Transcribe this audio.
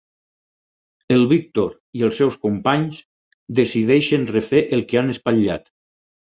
El Víctor i els seus companys decideixen refer el que han espatllat.